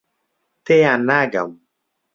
تێیان ناگەم.